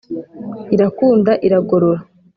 Irakunda iragorora